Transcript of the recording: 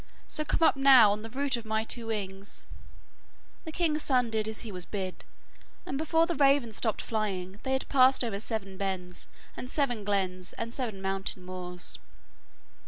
So come up now on the root of my two wings.' The king's son did as he was bid, and before the raven stopped flying, they had passed over seven bens and seven glens and seven mountain moors.